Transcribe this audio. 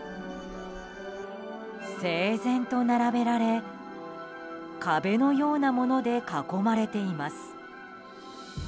整然と並べられ壁のようなもので囲まれています。